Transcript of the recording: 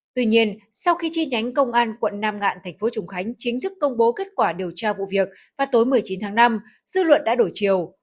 tuy nhiên sau khi chi nhánh công an quận nam ngạn thành phố trùng khánh chính thức công bố kết quả điều tra vụ việc vào tối một mươi chín tháng năm dư luận đã đổi chiều